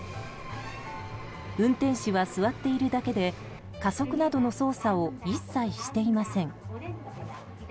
運転士は座っているだけで加速などの操作を一切していません。